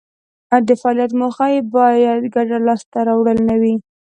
د فعالیت موخه یې باید ګټه لاس ته راوړل نه وي.